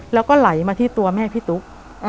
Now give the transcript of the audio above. แล้วก็ไหลมาที่ตัวแม่พี่ตุ๊ก